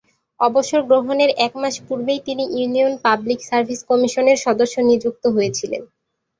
অবসর গ্রহণের এক মাস পূর্বেই তিনি ইউনিয়ন পাবলিক সার্ভিস কমিশনের সদস্য নিযুক্ত হয়েছিলেন।